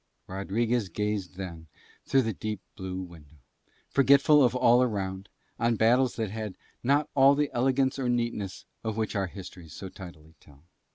Rodriguez gazed then through the deep blue window, forgetful of all around, on battles that had not all the elegance or neatness of which our histories so tidily tell.